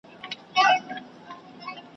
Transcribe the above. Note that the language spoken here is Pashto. دا خيبر دی دا شمشاد دی `